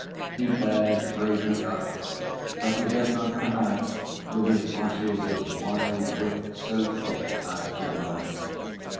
He bears bravely up, but he does not come out with his flashes of wild wit so thick as formerly.